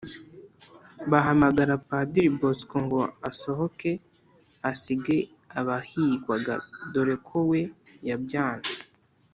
bahamagara Padiri Bosco ngo asohoke asige abahigwaga dore ko we yabyanze